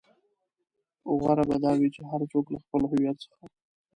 غوره به دا وي چې هر څوک له خپل هويت څخه.